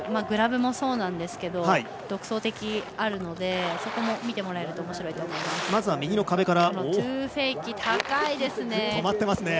グラブもそうなんですけど独創的、あるのでそこも見てもらえるとおもしろいと思います。